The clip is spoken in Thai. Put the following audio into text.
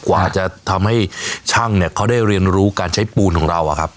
กว่าจะทำให้ช่างเนี่ยเขาได้เรียนรู้การใช้ปูนของเราอะครับ